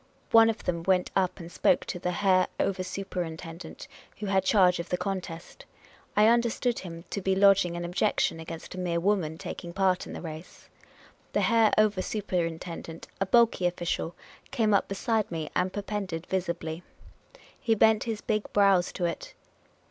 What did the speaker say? One of them went up and spoke to the Herr Over Superintendent who had charge of the contest. I understood him to be lodging an objection against a mere woman taking part in the race. The Herr Over Superintendent, a bulky official, came up be side me and perpended visibly. He bent his big brows to it.